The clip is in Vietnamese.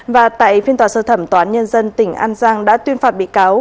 và tại phiên tòa sơ thẩm toán nhân dân tỉnh an giang đã tuyên phạt bị cáo